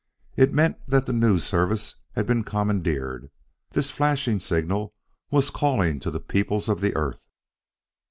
It meant that the News Service had been commandeered. This flashing signal was calling to the peoples of the earth!